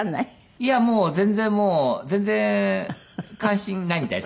いやもう全然もう全然関心ないみたいですね。